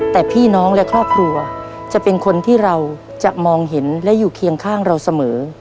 แต่พี่น้องและครอบครัวจะเป็นคนที่เราจะมองเห็นและอยู่เคียงข้างเราเสมอ